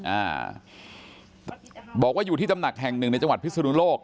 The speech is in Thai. อ่าบอกว่าอยู่ที่ตำหนักแห่งหนึ่งในจังหวัดพิศนุโลก